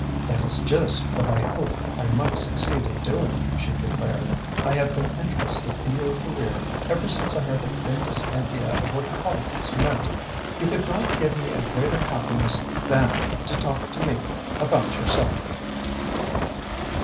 "That is just what I hoped I might succeed in doing," she declared. "I have been interested in your career ever since I had the faintest idea of what politics meant. You could not give me a greater happiness than to talk to me about yourself."